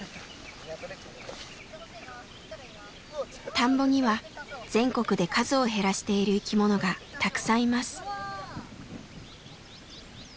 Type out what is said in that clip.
田んぼには全国で数を減らしている生きものがたくさんいます。